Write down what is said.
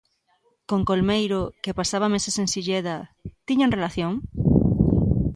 Con Colmeiro, que pasaba meses en Silleda, tiñan relación?